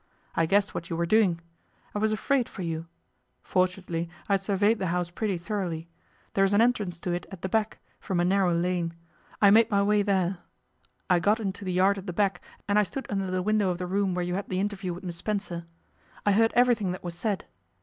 I guessed what you were doing. I was afraid for you. Fortunately I had surveyed the house pretty thoroughly. There is an entrance to it at the back, from a narrow lane. I made my way there. I got into the yard at the back, and I stood under the window of the room where you had the interview with Miss Spencer. I heard everything that was said.